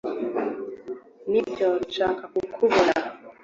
Nibyo nashakaga kukubona